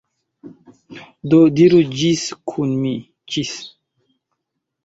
Do diru ĝis kun mi. Ĝis!